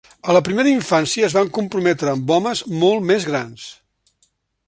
A la primera infància es van comprometre amb homes molt més grans.